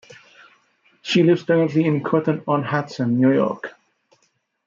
She lives currently in Croton-on-Hudson, New York.